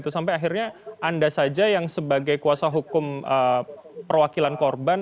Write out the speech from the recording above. sampai akhirnya anda saja yang sebagai kuasa hukum perwakilan korban